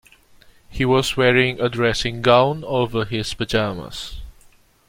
He was wearing a dressing gown over his pyjamas